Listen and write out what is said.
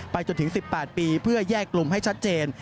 จนถึง๑๘ปีเพื่อแยกกลุ่มให้ชัดเจน